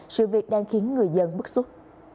sự việc đang khiến người dân bức xúc